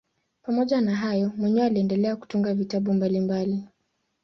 Pamoja na hayo mwenyewe aliendelea kutunga vitabu mbalimbali.